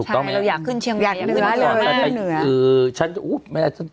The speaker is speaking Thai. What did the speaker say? ใช่เราอยากขึ้นเชียงแล้ว